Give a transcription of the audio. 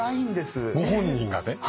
ご本人がね。